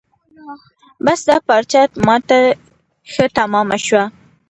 بس دا پارچه ما ته ښه تمامه شوه.